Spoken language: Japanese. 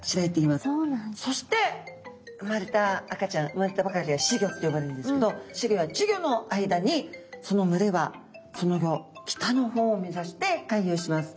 そして産まれた赤ちゃん産まれたばかりは仔魚って呼ばれるんですけど仔魚や稚魚の間にその群れはその後北の方を目指して回遊します。